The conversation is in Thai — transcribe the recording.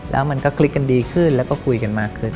แล้วมันก็คลิกกันดีขึ้นแล้วก็คุยกันมากขึ้น